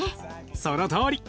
そのとおり。